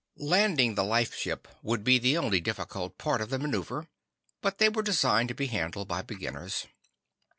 Landing the lifeship would be the only difficult part of the maneuver, but they were designed to be handled by beginners.